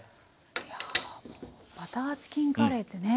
バターチキンカレーってね